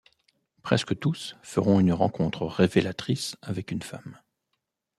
Presque tous feront une rencontre révélatrice avec une femme.